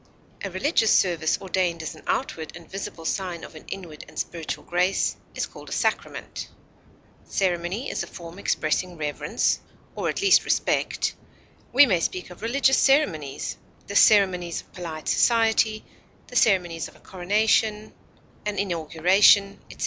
A religious service ordained as an outward and visible sign of an inward and spiritual grace is called a sacrament. Ceremony is a form expressing reverence, or at least respect; we may speak of religious ceremonies, the ceremonies of polite society, the ceremonies of a coronation, an inauguration, etc.